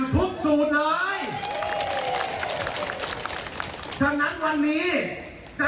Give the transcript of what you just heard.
คุณวราวุฒิศิลปะอาชาหัวหน้าภักดิ์ชาติไทยพัฒนา